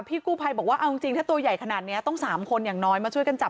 พี่กู้ภัยบอกว่าเอาจริงถ้าตัวใหญ่ขนาดนี้ต้อง๓คนอย่างน้อยมาช่วยกันจับ